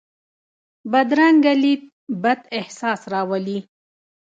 بدرنګه لید بد احساس راولي